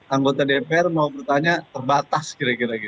anggota dpr mau bertanya terbatas kira kira gitu